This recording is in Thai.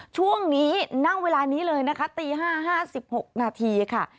ช่วงนี้ณเวลานี้เลยนะคะตี๕๕๖นาทีค่ะ